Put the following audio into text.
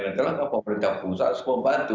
dan itu langkah pemerintah pusat untuk membantu